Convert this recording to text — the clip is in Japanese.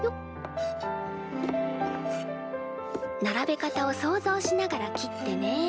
並べ方を想像しながら切ってね。